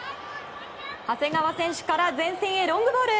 長谷川選手から前線へロングボール。